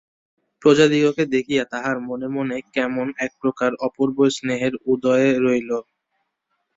প্রজাদিগকে দেখিয়া তাহার মনে মনে কেমন একপ্রকার অপূর্ব স্নেহের উদয় হইল।